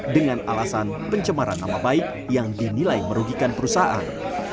dengan alasan pencemaran nama baik yang dinilai merugikan perusahaan